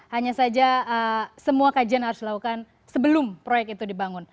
hanya saja semua kajian harus dilakukan sebelum proyek itu dibangun